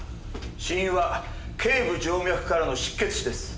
死因は頸部静脈からの失血死です。